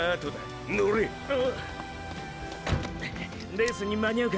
レースに間に合うか？